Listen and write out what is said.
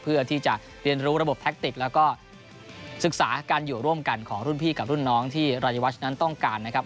เพื่อที่จะเรียนรู้ระบบแท็กติกแล้วก็ศึกษาการอยู่ร่วมกันของรุ่นพี่กับรุ่นน้องที่รายวัชนั้นต้องการนะครับ